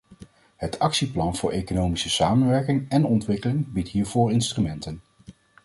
Het actieplan voor economische samenwerking en ontwikkeling biedt hiervoor instrumenten.